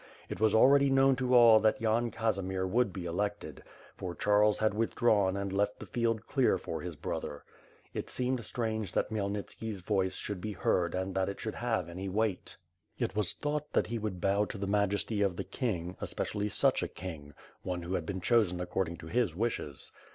It was already known to all that Yan Casimir would be elected, for Charles had withdrawn and left the field clear for his brother. It seemed strange that Khmyelnitski's voice should be heard and that it should have any weight. It was thought that he would bow to the majesty of the king, especially such a king; one who had been chosen ac cording to his wishes.